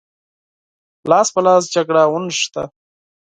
لاس په لاس جګړه ونښته.